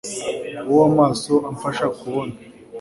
wowe amaso amfasha kubona